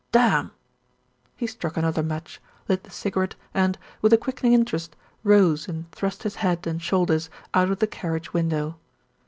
"Damn!" He struck another match, lit the cigarette and, with a quickening interest, rose and thrust his head and shoulders out of the carriage window.